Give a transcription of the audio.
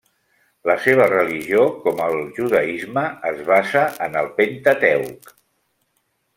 La seva religió, com el judaisme, es basa en el Pentateuc.